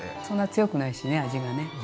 そんな強くないしね味がね。